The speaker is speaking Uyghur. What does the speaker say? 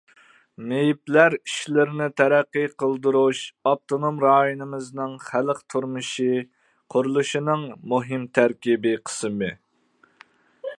مېيىپلەر ئىشلىرىنى تەرەققىي قىلدۇرۇش ئاپتونوم رايونىمىزنىڭ خەلق تۇرمۇشى قۇرۇلۇشىنىڭ مۇھىم تەركىبىي قىسمى.